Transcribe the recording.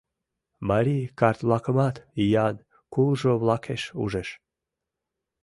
Марий карт-влакымат иян кулжо-влакеш ужеш.